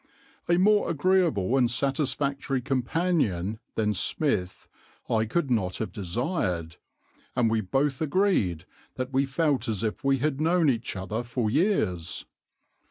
A more agreeable and satisfactory companion than Smith I could not have desired, and we both agreed that we felt as if we had known each other for years.